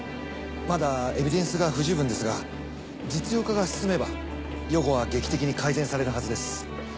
まだエビデンスが不十分ですが実用化が進めば予後は劇的に改善されるはずです。